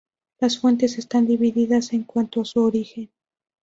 Las fuentes están divididas en cuanto a su origen.